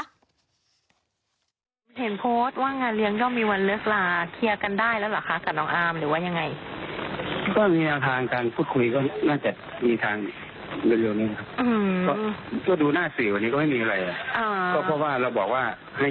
เห็นโพสต์ว่างานเลี้ยงย่อมมีวันเลิกลาเคลียร์กันได้แล้วเหรอคะกับน้องอาร์มหรือว่ายังไงเร็วนี้ครับ